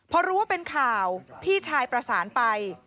พอรู้ว่าเป็นข่าวพี่ชายประสานไป